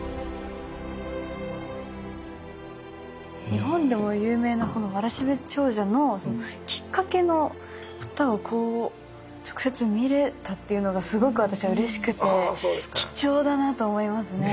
日本でも有名な「わらしべ長者」のきっかけの方をこう直接見れたっていうのがすごく私はうれしくて貴重だなと思いますね。